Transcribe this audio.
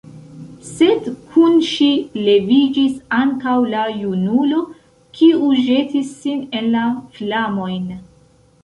Sed kun ŝi leviĝis ankaŭ la junulo, kiu ĵetis sin en la flamojn.